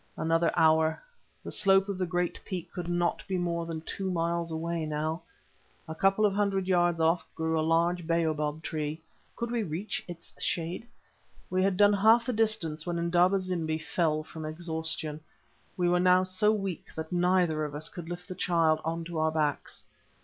Another hour; the slope of the great peak could not be more than two miles away now. A couple of hundred yards off grew a large baobab tree. Could we reach its shade? We had done half the distance when Indaba zimbi fell from exhaustion. We were now so weak that neither of us could lift the child on to our backs.